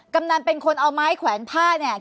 กำนันเป็นคนเอาไม้แขวนผ้าเนี่ย